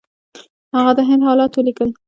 هغه د هند حالات ولیکل.